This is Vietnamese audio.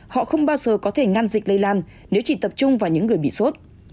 họ không bao giờ có thể ngăn dịch lây lan nếu chỉ tập trung vào những người bị sốt